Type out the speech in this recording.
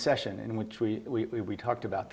tentang itu dalam sesi